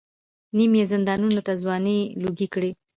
نیم یې زندانونو ته ځوانۍ لوګۍ کړې.